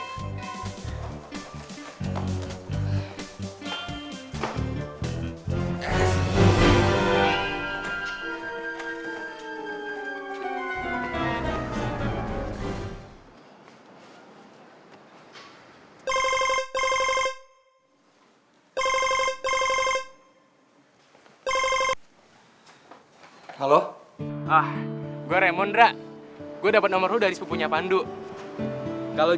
halo halo ah gue remondra gue dapet nomor lu dari sepupunya pandu kalau